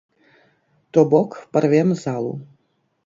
То бок, парвем залу.